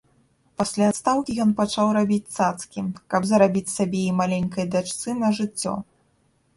Пасля адстаўкі ён пачаў рабіць цацкі, каб зарабіць сабе і маленькай дачцы на жыццё.